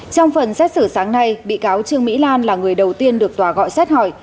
trong phần xét xử sáng nay bị cáo trương mỹ lan là người đầu tiên được tòa gọi xét hỏi